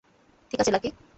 ঠিক আছে, লাকি?